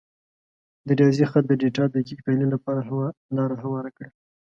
د ریاضي خط د ډیټا دقیق تحلیل ته لار هواره کړه.